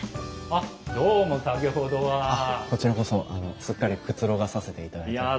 あっこちらこそすっかりくつろがさせていただいてます。